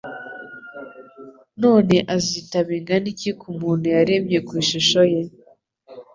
None azita bingana iki ku muntu yaremye ku ishusho ye